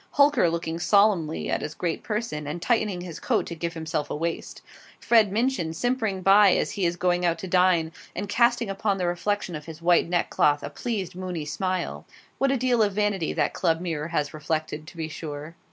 Hulker looking solemnly at his great person, and tightening his coat to give himself a waist. Fred Minchin simpering by as he is going out to dine, and casting upon the reflection of his white neckcloth a pleased moony smile. What a deal of vanity that Club mirror has reflected, to be sure!